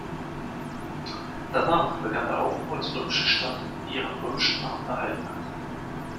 Danach begann der Aufbau als römische Stadt, die ihren römischen Namen behalten hat.